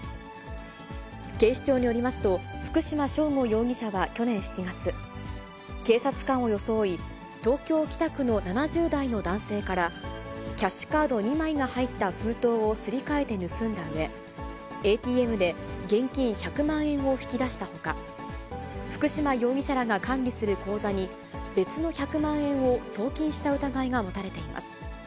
警視庁によりますと、福島聖悟容疑者は去年７月、警察官を装い、東京・北区の７０代の男性から、キャッシュカード２枚が入った封筒をすり替えて盗んだうえ、ＡＴＭで現金１００万円を引き出したほか、福島容疑者らが管理する口座に、別の１００万円を送金した疑いが持たれています。